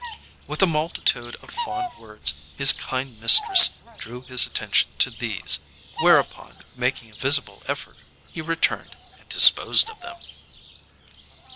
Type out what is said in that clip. With a multitude of fond words his kind mistress drew his attention to these, whereupon, making a visible effort, he returned and disposed of them.